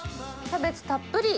キャベツたっぷり！